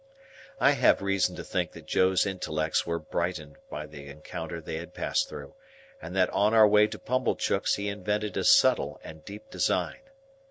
I have reason to think that Joe's intellects were brightened by the encounter they had passed through, and that on our way to Pumblechook's he invented a subtle and deep design.